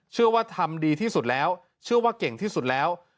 ว่าทำดีที่สุดแล้วเชื่อว่าเก่งที่สุดแล้ว